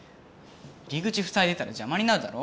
入り口ふさいでたらじゃまになるだろ？